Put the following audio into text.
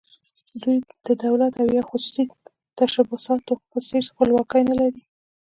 دوی د دولت او یا خصوصي تشبثاتو په څېر خپلواکي نه لري.